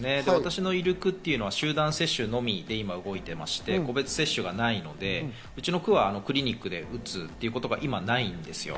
私のいる区というのは集団接種のみで今動いてまして、個別接種がないので、うちの区はクリニックで打つということが今ないんですよ。